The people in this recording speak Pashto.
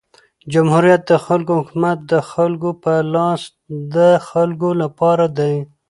جمهوریت د خلکو حکومت د خلکو په لاس د خلکو له پاره دئ.